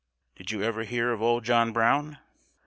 "Did you ever hear of Old John Brown?"